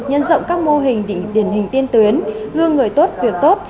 nhân rộng các mô hình điển hình tiên tuyến gương người tốt việc tốt